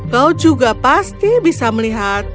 kau juga pasti bisa melihat